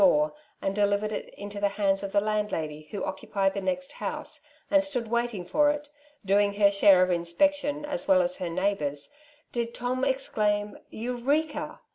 83 door^ and delivered it into the liands of the land lady, who occupied the next house, and stood wait ing for it, doing her share of inspection as well aa her neighbours, did Tom exclaim ^^ Eureka